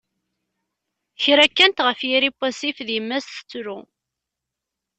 kra kkant, ɣef yiri n wasif d yemma-s, tettru.